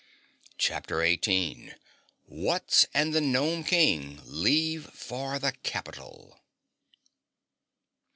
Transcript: CHAPTER 18 Wutz and the Gnome King Leave for the Capital!